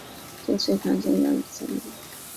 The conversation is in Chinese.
今存有康熙三年宛平于藻庐陵刻本。